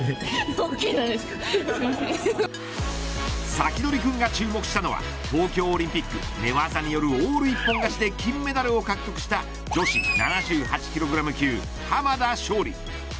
サキドリくんが注目したのは東京オリンピック寝技によるオール一本勝ちで金メダルを獲得した女子７８ｋｇ級濱田尚里。